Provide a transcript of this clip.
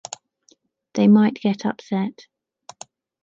they might get upset